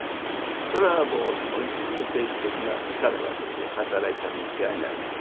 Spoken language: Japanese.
それはものすごく政治的な力がですね働いたに違いない。